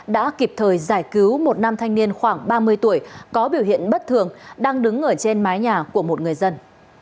đã kịp thời giải cứu một nam thanh niên khoảng ba mươi tuổi có biểu hiện bất thường đang đứng ở trên mái nhà của một người dân